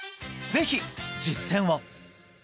ぜひ実践を！